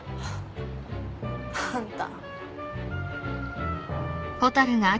あんた。